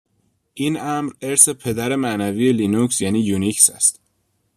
این امر، ارث پدر معنوی لینوکس یعنی یونیکس است.